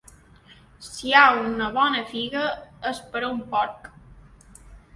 Si hi ha una bona figa és per a un porc.